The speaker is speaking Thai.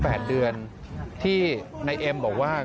แปดเดือนที่นายเอ็มบอกว่า